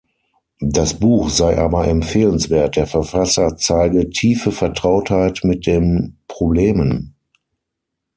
Das Buch sei aber empfehlenswert, der Verfasser zeige „tiefe Vertrautheit mit den Problemen“.